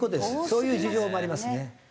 そういう事情もありますね。